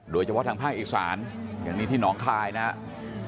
โดยเฉพาะทางภาคอีสานอย่างนี้ที่หนองคายนะครับ